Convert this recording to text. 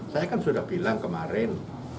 saya kan sudah bilang kemarin